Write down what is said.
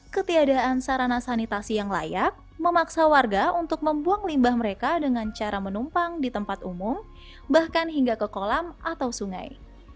ketiadaan sarana sanitasi yang layak memaksa warga untuk membuang limbah mereka dengan cara menumpang di tempat umum bahkan hingga ke kolam atau sungai